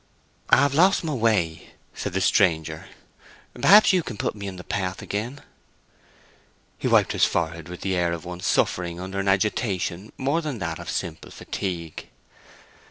"I have lost my way," said the stranger. "Perhaps you can put me in the path again." He wiped his forehead with the air of one suffering under an agitation more than that of simple fatigue.